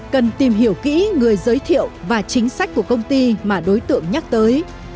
cần tìm hiểu kỹ người giới thiệu và chính sách của công ty mà đối tượng nhắc tới